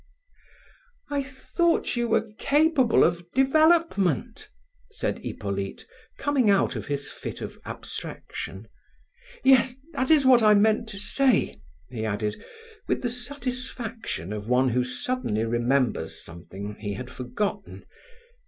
"I thought you were capable of development," said Hippolyte, coming out of his fit of abstraction. "Yes, that is what I meant to say," he added, with the satisfaction of one who suddenly remembers something he had forgotten.